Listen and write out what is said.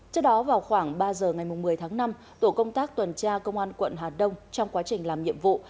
trước đó vào khoảng ba giờ ngày một mươi tháng năm tổ công tác tuần tra công an quận hà đông trong quá trình làm nhiệm vụ